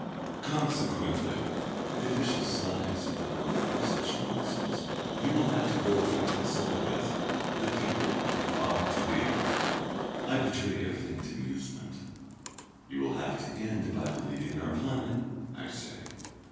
"Consequently" the official sighs at the burthen of such nonsense, "you will have to go and consult with the people you ought to be." I betray a faint amusement. "You will have to end by believing in our planet," I say.